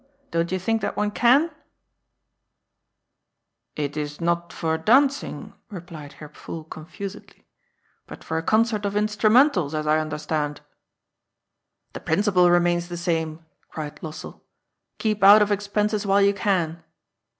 Don't you think that one can ?"" It is not for dancing," replied Herr Pfuhl confusedly, " but for a concert of instrumentals, as I understand." "The principle remains the same," cried Lossell. " Keep out of expenses while you can."